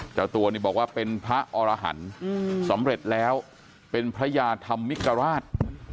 เจ้าตัวนี่บอกว่าเป็นพระอรหันต์สำเร็จแล้วเป็นพระยาธรรมิกราช